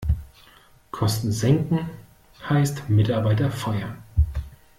Kosten senken heißt Mitarbeiter feuern.